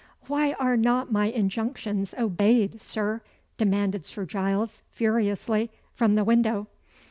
"Why are not my injunctions obeyed, Sir?" demanded Sir Giles, furiously, from the window.